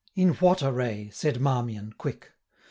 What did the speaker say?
'In what array?' said Marmion, quick.